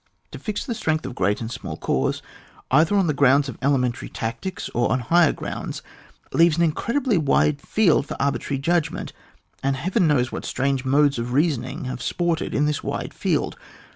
To fix the strength of great and small corps, either on the grounds of elementary tactics or on higher grounds, leaves an incredibly wide field for arbi trary judgment, and heaven knows what strange modes of reasoning have sported in this wide field.